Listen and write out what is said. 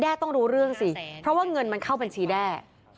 ต้องรู้เรื่องสิเพราะว่าเงินมันเข้าบัญชีแด้